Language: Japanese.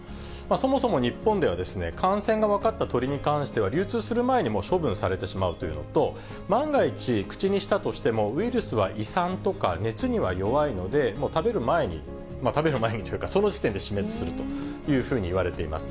そもそも日本では、感染が分かった鳥に関しては、流通する前に処分されてしまうというのと、万が一、口にしたとしても、ウイルスは胃酸とか熱には弱いので、食べる前に、食べる前にというか、その時点で死滅するというふうにいわれています。